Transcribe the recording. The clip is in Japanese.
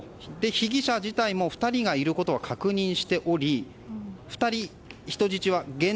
被疑者自体も２人がいることは確認しており、２人人質が。